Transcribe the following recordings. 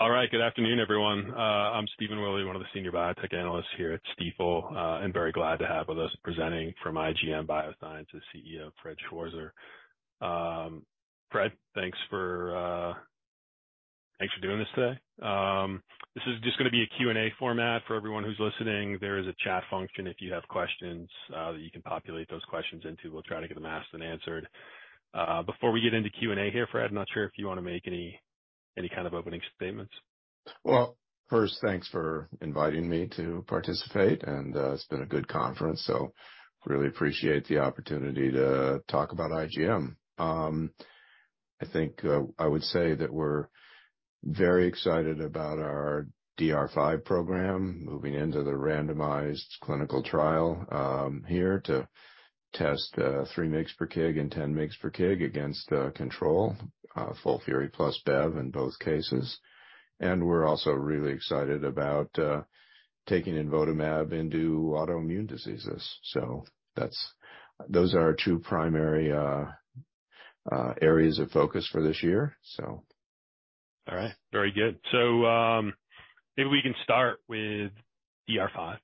All right. Good afternoon, everyone. I'm Stephen Willey, one of the senior biotech analysts here at Stifel. Very glad to have with us presenting from IGM Biosciences, CEO Fred Schwarzer. Fred, thanks for doing this today. This is just gonna be a Q&A format for everyone who's listening. There is a chat function if you have questions, that you can populate those questions into. We'll try to get them asked and answered. Before we get into Q&A here, Fred, I'm not sure if you wanna make any kind of opening statements. First, thanks for inviting me to participate, and it's been a good conference, so really appreciate the opportunity to talk about IGM. I think I would say that we're very excited about our DR5 program moving into the randomized clinical trial here to test 3 mgs per kg and 10 mgs per kg against control FOLFIRI plus bev in both cases. We're also really excited about taking imvotamab into autoimmune diseases. Those are our two primary areas of focus for this year. All right. Very good. Maybe we can start with DR5.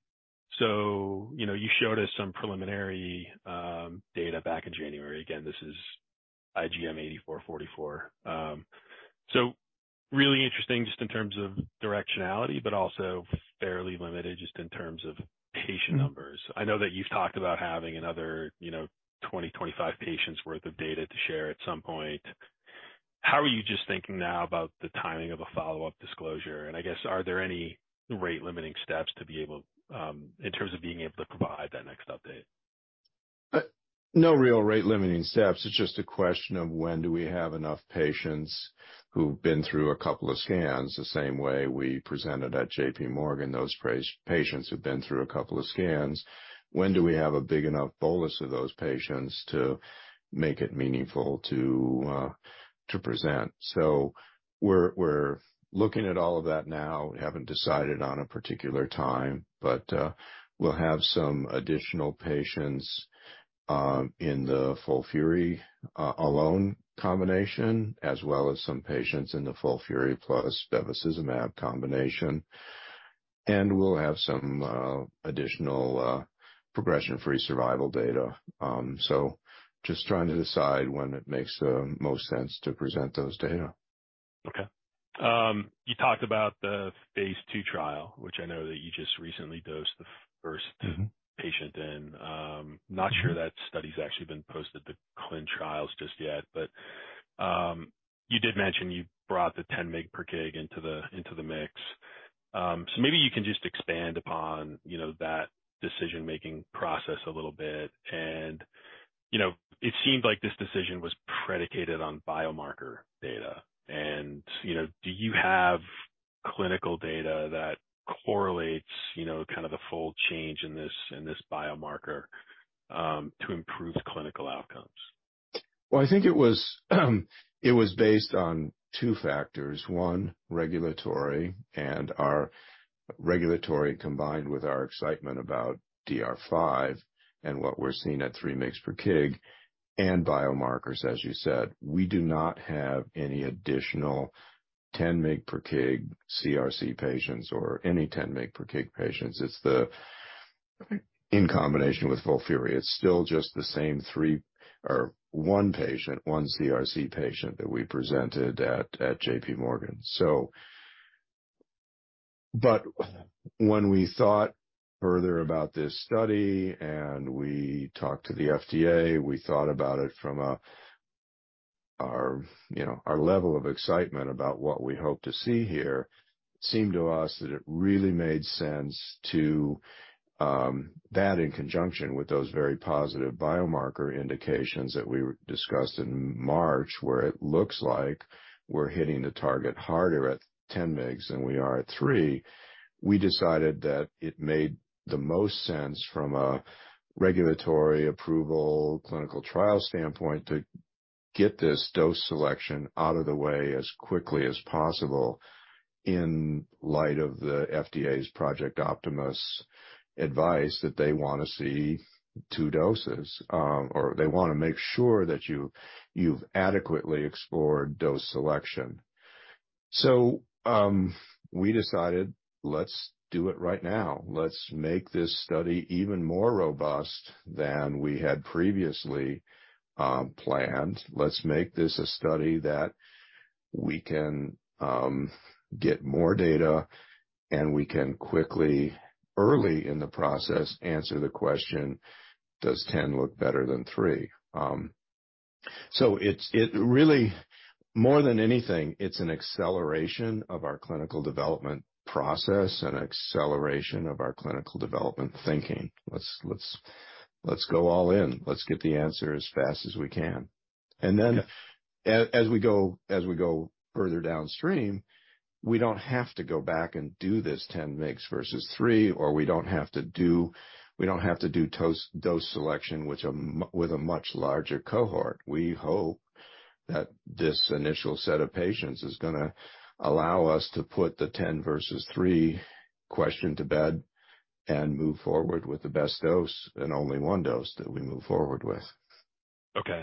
You know, you showed us some preliminary data back in January. Again, this is IGM-8444. Really interesting just in terms of directionality, but also fairly limited just in terms of patient numbers. I know that you've talked about having another, you know, 20-25 patients worth of data to share at some point. How are you just thinking now about the timing of a follow-up disclosure? I guess, are there any rate-limiting steps to be able in terms of being able to provide that next update? No real rate-limiting steps. It's just a question of when do we have enough patients who've been through a couple of scans, the same way we presented at JPMorgan, those patients who've been through a couple of scans. When do we have a big enough bolus of those patients to make it meaningful to present? We're, we're looking at all of that now. We haven't decided on a particular time, but we'll have some additional patients in the FOLFIRI alone combination, as well as some patients in the FOLFIRI plus bevacizumab combination. We'll have some additional progression-free survival data. Just trying to decide when it makes the most sense to present those data. Okay. You talked about the phase II trial, which I know that you just recently dosed. Mm-hmm. Patient in. Not sure that study's actually been posted to ClinicalTrials.gov just yet, but you did mention you brought the 10 mg per kg into the, into the mix. Maybe you can just expand upon, you know, that decision-making process a little bit? You know, it seemed like this decision was predicated on biomarker data and, you know, do you have clinical data that correlates, you know, kind of the full change in this, in this biomarker, to improve clinical outcomes? I think it was, it was based on two factors. One, regulatory, and our regulatory combined with our excitement about DR5 and what we're seeing at 3 mg per kg, and biomarkers, as you said. We do not have any additional 10 mg per kg CRC patients or any 10 mg per kg patients. In combination with FOLFIRI, it's still just the same three or one patient, one CRC patient that we presented at JPMorgan. When we thought further about this study and we talked to the FDA, we thought about it from our, you know, our level of excitement about what we hope to see here, seemed to us that it really made sense that in conjunction with those very positive biomarker indications that we discussed in March, where it looks like we're hitting the target harder at 10 mgs than we are at three. We decided that it made the most sense from a regulatory approval clinical trial standpoint to get this dose selection out of the way as quickly as possible in light of the FDA's Project Optimus advice that they want to see two doses, or they want to make sure that you've adequately explored dose selection. We decided, let's do it right now. Let's make this study even more robust than we had previously planned. Let's make this a study that we can get more data, and we can quickly, early in the process, answer the question, does 10 look better than three? So it's, it really, more than anything, it's an acceleration of our clinical development process and acceleration of our clinical development thinking. Let's, let's go all in. Let's get the answer as fast as we can. Yeah. As we go, as we go further downstream, we don't have to go back and do this 10 mgs versus three, or we don't have to do dose selection, with a much larger cohort. We hope that this initial set of patients is gonna allow us to put the 10 versus three question to bed and move forward with the best dose and only one dose that we move forward with. Okay.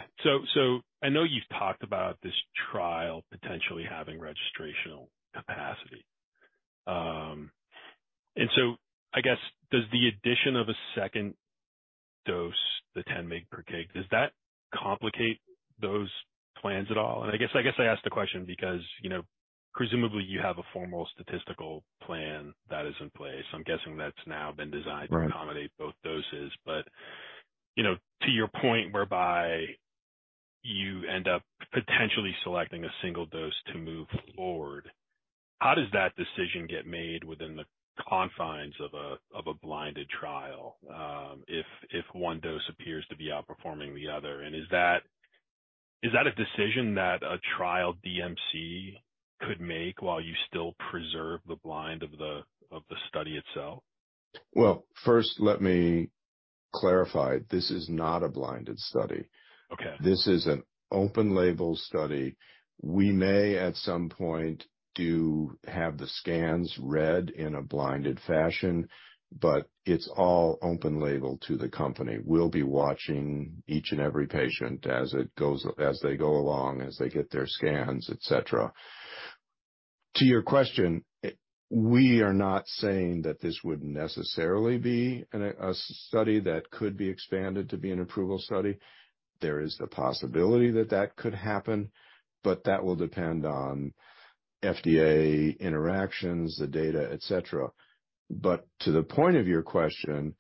I know you've talked about this trial potentially having registrational capacity. I guess, does the addition of a second dose, the 10 mg per kg, does that complicate those plans at all? I guess I ask the question because, you know, presumably you have a formal statistical plan that is in place. I'm guessing that's now been designed- Right. -to accommodate both doses. You know, to your point whereby you end up potentially selecting a single dose to move forward, how does that decision get made within the confines of a blinded trial, if one dose appears to be outperforming the other? Is that a decision that a trial DMC could make while you still preserve the blind of the study itself? Well, first, let me clarify. This is not a blinded study. Okay. This is an open label study. We may, at some point, have the scans read in a blinded fashion. It's all open label to the company. We'll be watching each and every patient as it goes, as they go along, as they get their scans, et cetera. To your question, we are not saying that this would necessarily be a study that could be expanded to be an approval study. There is the possibility that that could happen. That will depend on FDA interactions, the data, et cetera. To the point of your question,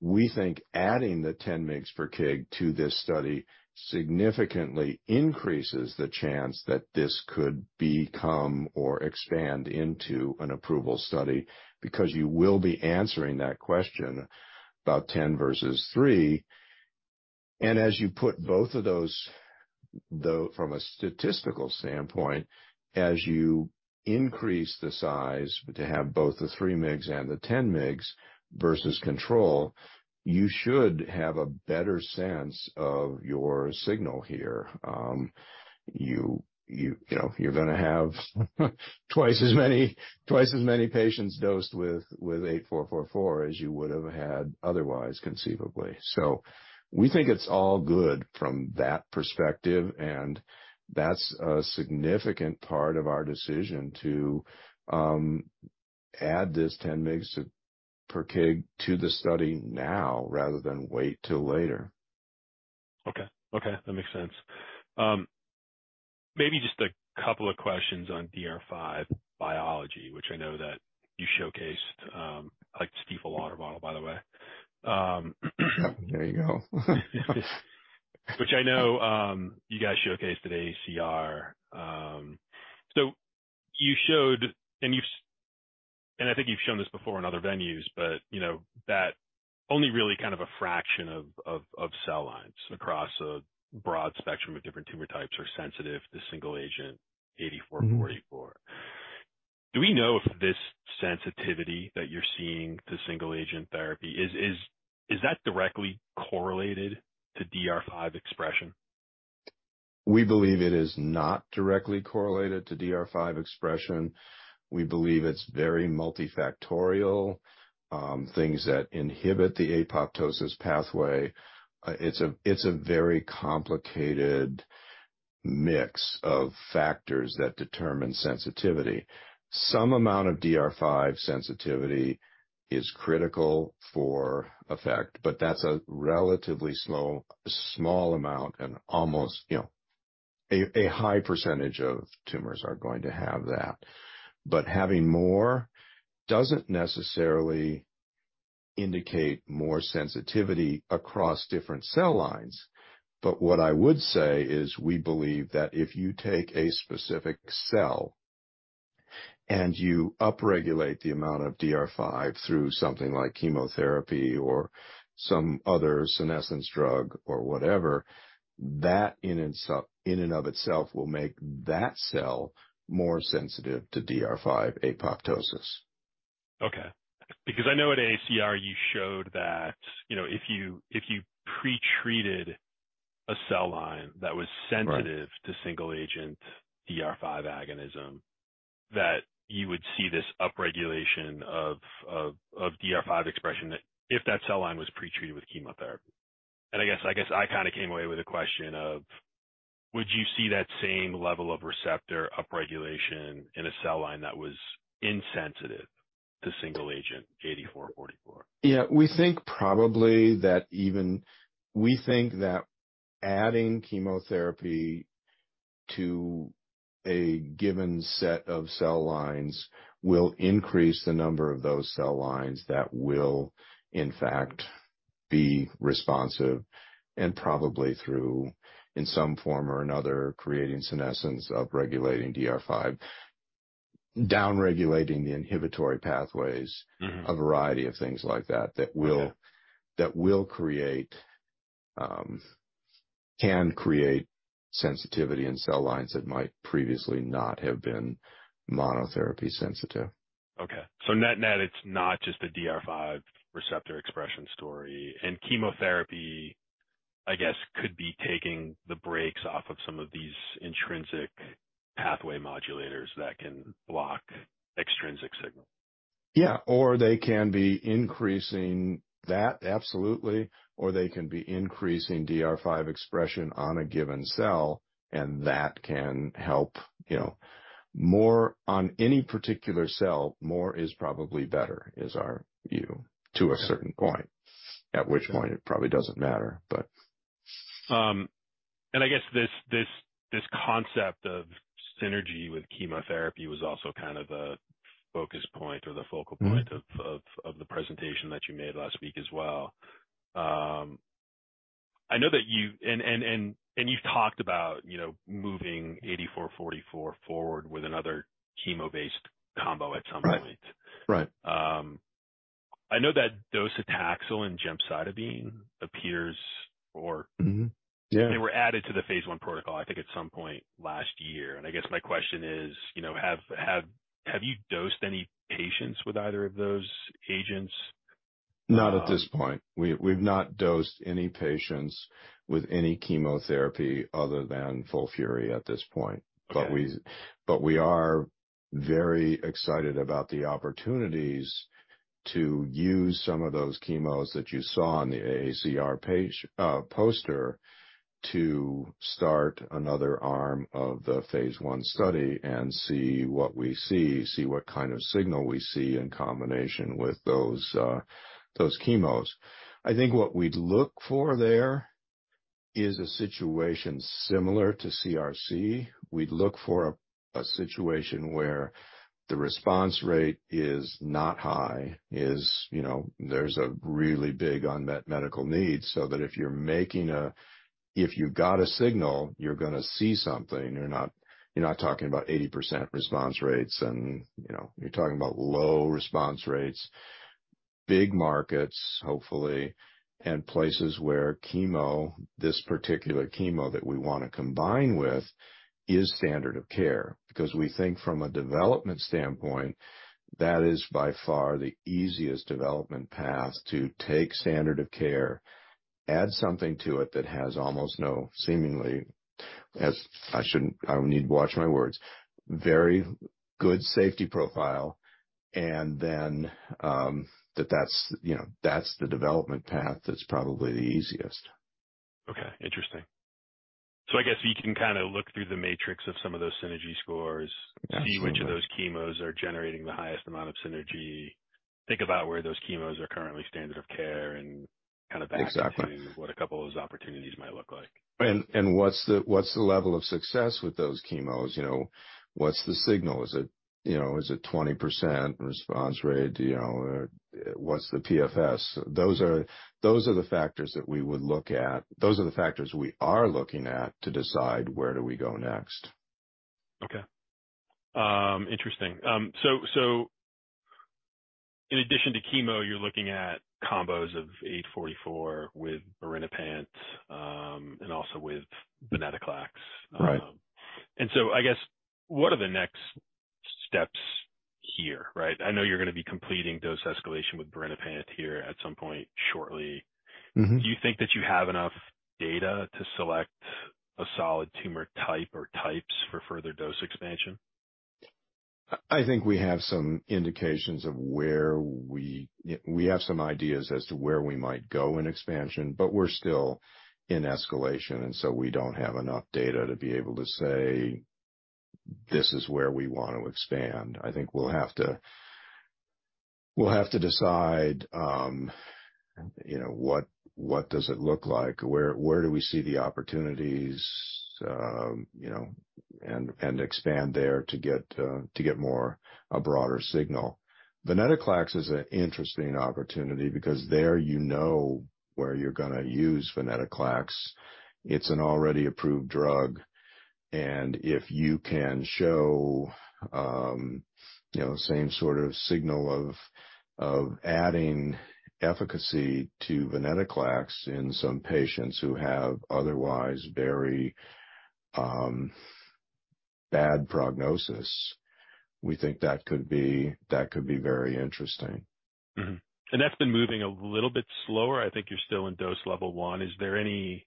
we think adding the 10 mgs per kg to this study significantly increases the chance that this could become or expand into an approval study, because you will be answering that question about 10 versus three. As you put both of those, though, from a statistical standpoint, as you increase the size to have both the 3 mgs and the 10 mgs versus control, you should have a better sense of your signal here. You know, you're gonna have twice as many patients dosed with IGM-8444 as you would've had otherwise conceivably. We think it's all good from that perspective, and that's a significant part of our decision to add this 10 mgs per kg to the study now rather than wait till later. Okay. Okay, that makes sense. Maybe just a couple of questions on DR5 biology, which I know that you showcased, I liked the Stifel water bottle, by the way. There you go. Which I know, you guys showcased at AACR. You showed, and you've, and I think you've shown this before in other venues, but, you know, that only really kind of a fraction of cell lines across a broad spectrum of different tumor types are sensitive to single agent IGM-8444. Do we know if this sensitivity that you're seeing to single agent therapy is that directly correlated to DR5 expression? We believe it is not directly correlated to DR5 expression. We believe it's very multifactorial, things that inhibit the apoptosis pathway. It's a very complicated mix of factors that determine sensitivity. Some amount of DR5 sensitivity is critical for effect, but that's a relatively slow, small amount and almost, you know, a high % of tumors are going to have that. Having more doesn't necessarily indicate more sensitivity across different cell lines. What I would say is we believe that if you take a specific cell and you upregulate the amount of DR5 through something like chemotherapy or some other senescence drug or whatever, that in itself, in and of itself will make that cell more sensitive to DR5 apoptosis. Okay. I know at AACR you showed that, you know, if you pretreated a cell line that was sensitive. Right. -to single agent DR5 agonism, that you would see this upregulation of DR5 expression that if that cell line was pretreated with chemotherapy. I guess I kinda came away with a question of, would you see that same level of receptor upregulation in a cell line that was insensitive to single agent 8444? Yeah. We think probably that adding chemotherapy to a given set of cell lines will increase the number of those cell lines that will in fact be responsive and probably through, in some form or another, creating senescence, upregulating DR5, downregulating the inhibitory pathways. Mm-hmm. A variety of things like that. Okay. -that will create, can create sensitivity in cell lines that might previously not have been monotherapy sensitive. Okay. Net, net, it's not just the DR5 receptor expression story and chemotherapy, I guess, could be taking the brakes off of some of these intrinsic pathway modulators that can block extrinsic signal. Yeah. They can be increasing that, absolutely. They can be increasing DR5 expression on a given cell, and that can help, you know, on any particular cell, more is probably better is our view, to a certain point. At which point it probably doesn't matter. I guess this concept of synergy with chemotherapy was also kind of a focus point or the focal point. Mm-hmm. Of the presentation that you made last week as well. You've talked about, you know, moving IGM-8444 forward with another chemo-based combo at some point. Right. Right. I know that docetaxel and gemcitabine appears. Mm-hmm. Yeah. They were added to the phase I protocol, I think, at some point last year. I guess my question is, you know, have you dosed any patients with either of those agents? Not at this point. We've not dosed any patients with any chemotherapy other than FOLFIRI at this point. Okay. We are very excited about the opportunities to use some of those chemos that you saw on the ACR page, poster, to start another arm of the phase I study and see what we see what kind of signal we see in combination with those chemos. I think what we'd look for there is a situation similar to CRC. We'd look for a situation where the response rate is not high, you know, there's a really big unmet medical need so that if you've got a signal, you're gonna see something. You're not talking about 80% response rates and, you know. You're talking about low response rates, big markets, hopefully, and places where chemo, this particular chemo that we wanna combine with, is standard of care. We think from a development standpoint, that is by far the easiest development path to take standard of care, add something to it that has almost no seemingly, I need to watch my words, very good safety profile, and then, that's, you know, that's the development path that's probably the easiest. Okay. Interesting. I guess you can kinda look through the matrix of some of those synergy scores. Absolutely. -see which of those chemos are generating the highest amount of synergy, think about where those chemos are currently standard of care and kind of back into- Exactly. What a couple of those opportunities might look like. What's the level of success with those chemos? You know, what's the signal? Is it, you know, is it 20% response rate? You know, or what's the PFS? Those are the factors that we would look at. Those are the factors we are looking at to decide where do we go next. Okay. Interesting. In addition to chemo, you're looking at combos of 8444 with birinapant, and also with venetoclax. Right. I guess what are the next steps here, right? I know you're gonna be completing dose escalation with birinapant here at some point shortly. Mm-hmm. Do you think that you have enough data to select a solid tumor type or types for further dose expansion? I think we have some indications of where we have some ideas as to where we might go in expansion, but we're still in escalation, and so we don't have enough data to be able to say, "This is where we want to expand." I think we'll have to decide, you know, what does it look like? Where do we see the opportunities? You know, and expand there to get more, a broader signal. venetoclax is an interesting opportunity because there you know where you're gonna use venetoclax. It's an already approved drug, and if you can show, you know, same sort of signal of adding efficacy to venetoclax in some patients who have otherwise very bad prognosis, we think that could be very interesting. Mm-hmm. That's been moving a little bit slower. I think you're still in dose level 1. Is there any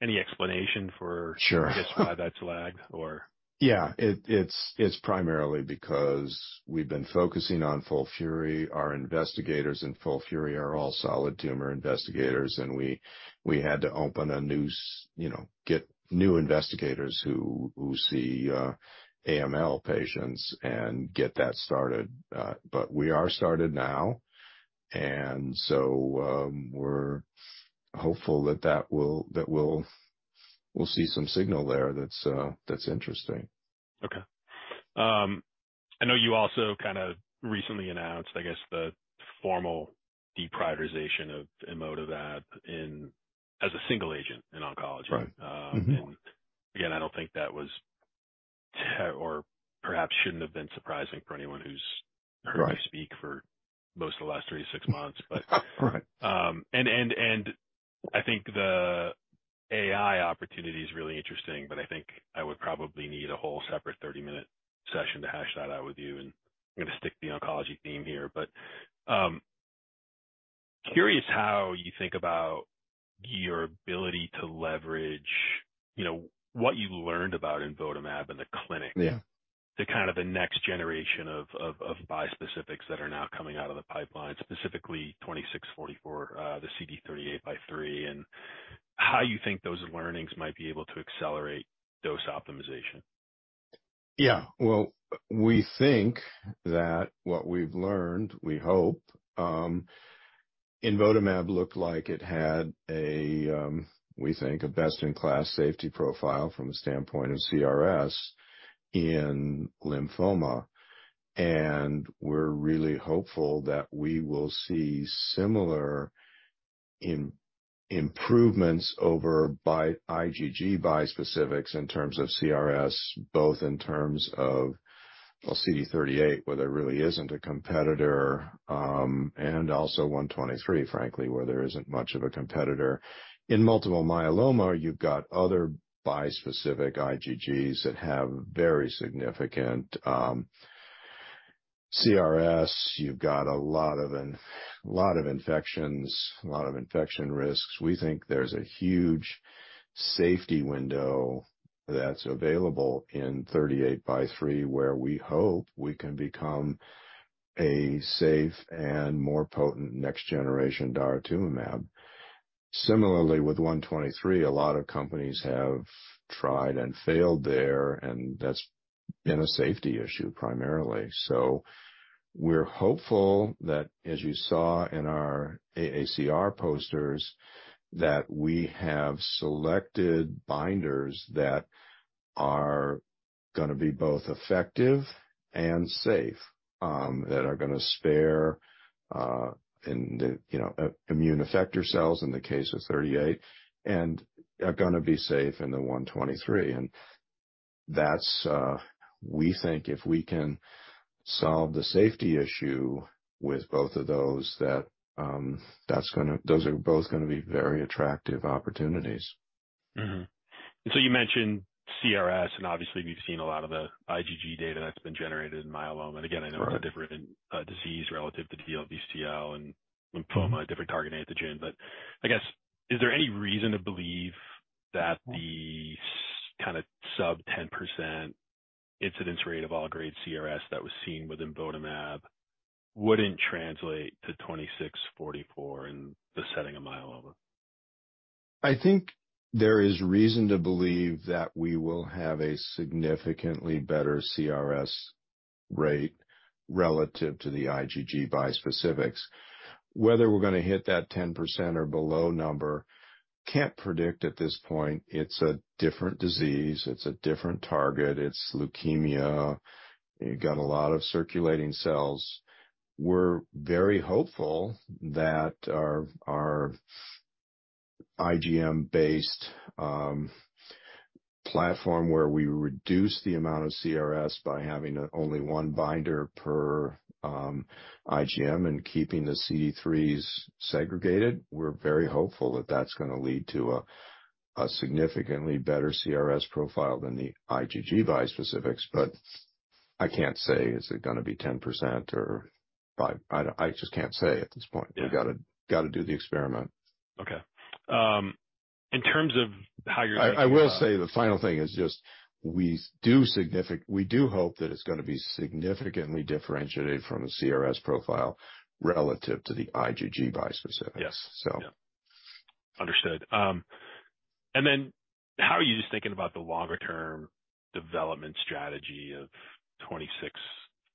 explanation for- Sure. I guess why that's lagged or? Yeah. It's primarily because we've been focusing on FOLFIRI. Our investigators in FOLFIRI are all solid tumor investigators. We had to open a new you know, get new investigators who see AML patients and get that started. We are started now. We're hopeful that that will see some signal there that's interesting. Okay. I know you also kinda recently announced, I guess, the formal deprioritization of imvotamab in, as a single agent in oncology. Right. Mm-hmm. Again, I don't think that was or perhaps shouldn't have been surprising for anyone who's heard me speak for most of the last 36 months. Right. I think the AI opportunity is really interesting, but I think I would probably need a whole separate 30-minute session to hash that out with you, and I'm gonna stick to the oncology theme here. Curious how you think about your ability to leverage, you know, what you learned about imvotamab in the clinic. Yeah. To kind of the next generation of bispecifics that are now coming out of the pipeline, specifically 2644, the CD38 x CD3, and how you think those learnings might be able to accelerate dose optimization. Well, we think that what we've learned, we hope, imvotamab looked like it had a, we think, a best-in-class safety profile from the standpoint of CRS in lymphoma. We're really hopeful that we will see similar improvements over IgG bispecifics in terms of CRS, both in terms of, well, CD38, where there really isn't a competitor, and also 123, frankly, where there isn't much of a competitor. In multiple myeloma, you've got other bispecific IgGs that have very significant CRS. You've got a lot of infections, a lot of infection risks. We think there's a huge safety window that's available in 38 by three, where we hope we can become a safe and more potent next generation daratumumab. Similarly, with CD123, a lot of companies have tried and failed there, and that's been a safety issue primarily. We're hopeful that, as you saw in our AACR posters, that we have selected binders that are gonna be both effective and safe, that are gonna spare, and, you know, immune effector cells in the case of CD38 and are gonna be safe in the CD123. That's, we think if we can solve the safety issue with both of those, that, those are both gonna be very attractive opportunities. You mentioned CRS, and obviously we've seen a lot of the IgG data that's been generated in myeloma. Again, I know it's a different disease relative to DLBCL and lymphoma, a different target antigen. I guess, is there any reason to believe that the kind of sub 10% incidence rate of all grade CRS that was seen within imvotamab wouldn't translate to 2644 in the setting of myeloma? I think there is reason to believe that we will have a significantly better CRS rate relative to the IgG bispecifics. Whether we're gonna hit that 10% or below number, can't predict at this point. It's a different disease. It's a different target. It's leukemia. You got a lot of circulating cells. We're very hopeful that our IgM-based platform where we reduce the amount of CRS by having only one binder per IgM and keeping the CD3s segregated, we're very hopeful that that's gonna lead to a significantly better CRS profile than the IgG bispecifics. I can't say, is it gonna be 10% or 5%? I just can't say at this point. Yeah. We gotta do the experiment. Okay. I will say the final thing is just we do hope that it's gonna be significantly differentiated from a CRS profile relative to the IgG bispecifics. Yes. So. Yeah. Understood. How are you just thinking about the longer term development strategy of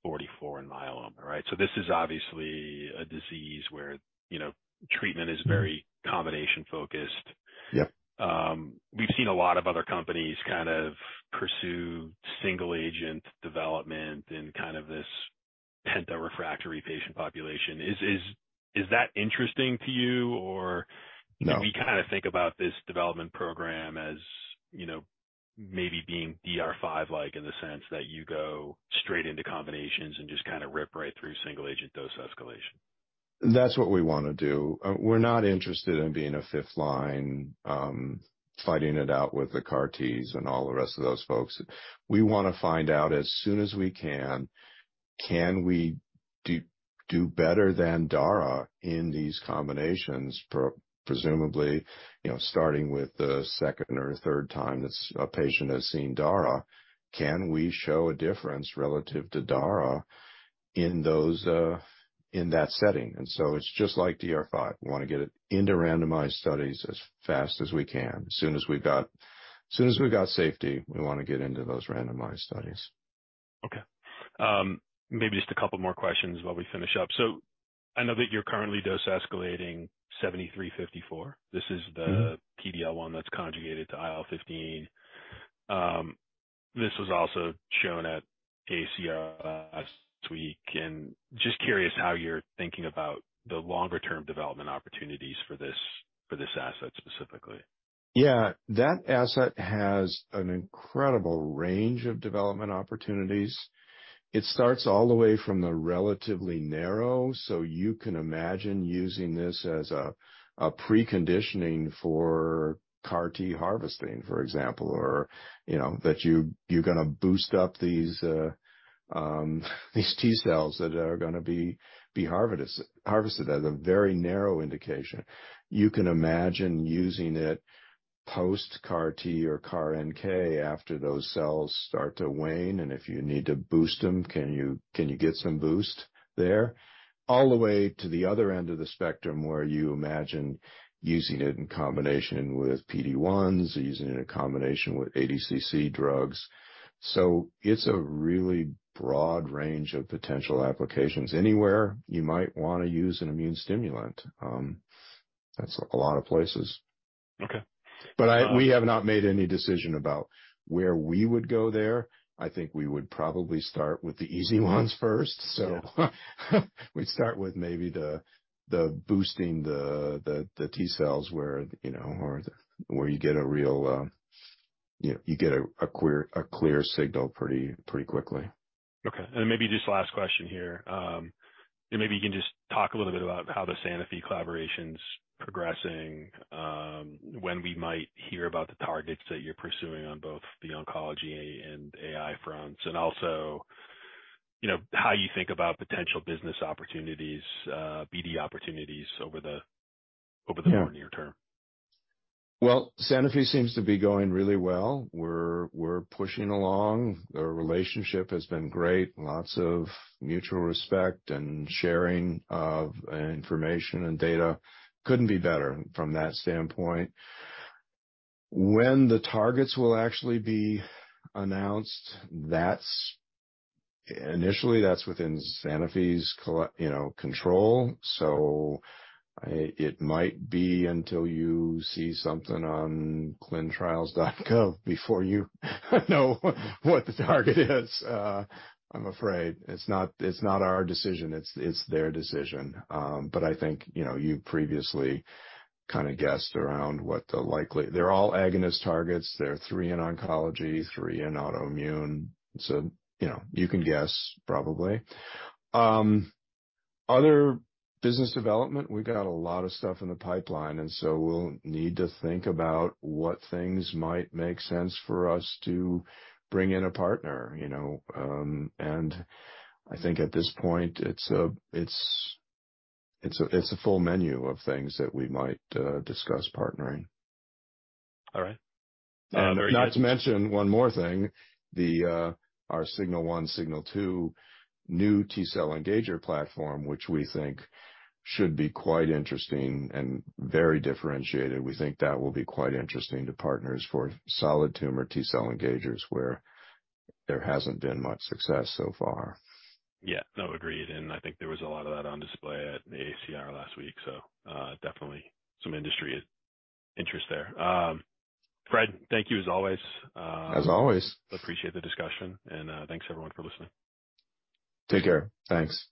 2644 in myeloma, right? This is obviously a disease where, you know, treatment is very combination focused. Yeah. We've seen a lot of other companies kind of pursue single agent development in kind of this penta-refractory patient population. Is that interesting to you, or? No. Do we kinda think about this development program as, you know, maybe being DR5-like in the sense that you go straight into combinations and just kinda rip right through single agent dose escalation? That's what we wanna do. We're not interested in being a fifth line, fighting it out with the CAR-Ts and all the rest of those folks. We wanna find out as soon as we can we do better than dara in these combinations presumably, you know, starting with the second or third time that a patient has seen dara? Can we show a difference relative to dara in those, in that setting? It's just like DR5. We wanna get it into randomized studies as fast as we can. As soon as we've got safety, we wanna get into those randomized studies. Okay. Maybe just a couple more questions while we finish up. I know that you're currently dose escalating IGM-7354. This is the PD-L1 that's conjugated to IL-15. This was also shown at AACR last week, and just curious how you're thinking about the longer term development opportunities for this, for this asset specifically. That asset has an incredible range of development opportunities. It starts all the way from the relatively narrow, so you can imagine using this as a preconditioning for CAR-T harvesting, for example. Or, you know, that you're gonna boost up these T-cells that are gonna be harvested as a very narrow indication. You can imagine using it post CAR-T or CAR NK after those cells start to wane, and if you need to boost them, can you get some boost there? All the way to the other end of the spectrum where you imagine using it in combination with PD-1s or using it in combination with ADCC drugs. It's a really broad range of potential applications. Anywhere you might wanna use an immune stimulant, that's like a lot of places. Okay. We have not made any decision about where we would go there. I think we would probably start with the easy ones first. Yeah. We'd start with maybe the boosting the T cells where, you know, or where you get a real, you know, you get a clear signal pretty quickly. Okay. Maybe just last question here. Maybe you can just talk a little bit about how the Sanofi collaboration's progressing, when we might hear about the targets that you're pursuing on both the oncology and AI fronts, and also, you know, how you think about potential business opportunities, BD opportunities over the? Yeah. more near term. Well, Sanofi seems to be going really well. We're pushing along. Our relationship has been great. Lots of mutual respect and sharing of information and data. Couldn't be better from that standpoint. When the targets will actually be announced, that's. Initially, that's within Sanofi's control. It might be until you see something on ClinicalTrials.gov before you know what the target is, I'm afraid. It's not our decision, it's their decision. I think, you know, you previously kinda guessed around what the likely. They're all agonist targets. There are three in oncology, three in autoimmune, so, you know, you can guess probably. Other business development, we've got a lot of stuff in the pipeline, we'll need to think about what things might make sense for us to bring in a partner, you know. I think at this point it's a full menu of things that we might discuss partnering. All right. And are you- Not to mention one more thing, the, our Signal 1, Signal 2 new T cell engager platform, which we think should be quite interesting and very differentiated. We think that will be quite interesting to partners for solid tumor T cell engagers where there hasn't been much success so far. Yeah. No, agreed. I think there was a lot of that on display at AACR last week, definitely some industry interest there. Fred, thank you as always. As always. Appreciate the discussion. Thanks everyone for listening. Take care. Thanks.